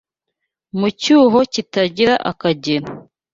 Mu cyuho kitagira akagero